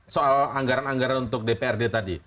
soal anggaran anggaran untuk dprd tadi